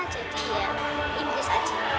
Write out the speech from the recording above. oh gitu ya